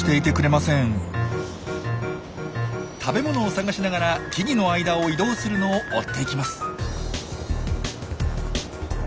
食べ物を探しながら木々の間を移動するのを追っていきます。